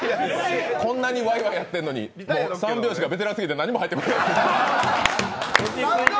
こんなにワイワイやってるのに、もう三拍子がベテランすぎて何も入ってこない。